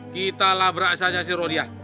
kitalah beraksanya si rodia